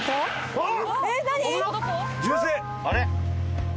あっ！